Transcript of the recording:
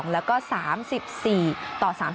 และก็๓๔ต่อ๓๒